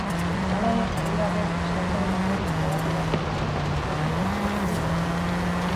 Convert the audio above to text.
Hala ere, adingabeen fiskaltzaren aurrean deklaratu beharko dutela argitu dute epaitegietako iturriek.